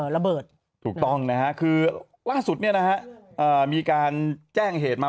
ระเบิดถูกต้องนะฮะคือล่าสุดเนี่ยนะฮะมีการแจ้งเหตุมา